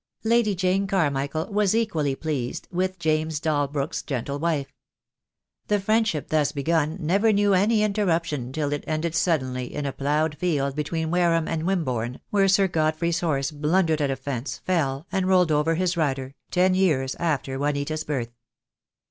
Lady Jane Carmichael was equally pleased with James Dalbrook's gentle wife. The friendship thus begun never knew any interruption till it ended suddenly in a ploughed field between Wareham and "Wimbourne, where Sir God frey's horse blundered at a fence, fell, and rolled over his rider, ten years after Juanita's birth.